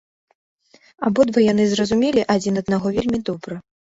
Абодва яны зразумелі адзін аднаго вельмі добра.